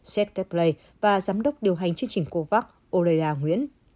seth ghebreyesus và giám đốc điều hành chương trình covax oleda nguyễn